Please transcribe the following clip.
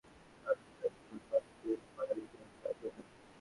কিন্তু কারও কাছে সহযোগিতা চাইলে তাঁরা বিনাবাক্যে বাড়িয়ে দেন সাহায্যের হাত।